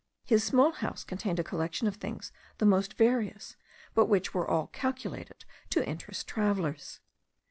His small house contained a collection of things the most various, but which were all calculated to interest travellers.